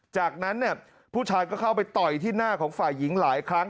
จากนั้นเนี่ยผู้ชายก็เข้าไปต่อยที่หน้าของฝ่ายหญิงหลายครั้ง